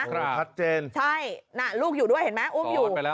ครับใช่ลูกอยู่ด้วยเห็นไหมอุ้มอยู่